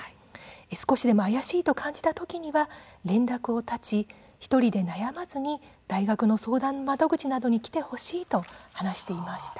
少しでも怪しいと感じた時には連絡を絶ち１人で悩まずに大学の相談窓口などに来てほしいと話していました。